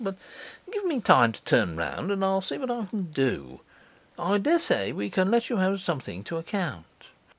'But give me time to turn round, and I'll see what I can do; I daresay we can let you have something to account.